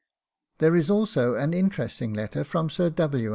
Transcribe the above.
There is also an interesting letter from Sir W.